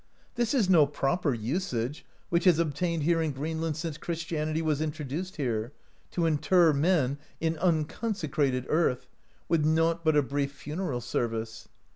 "This is no proper usage, which has obtained here in Greenland since Christianity was introduced here, to inter men in uncon secrated earth, with nought but a brief funeral service.